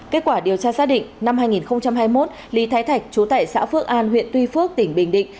kết quả điều tra xác định năm hai nghìn hai mươi một lý thái thạch trú tại xã phước an huyện tuy phước tỉnh bình định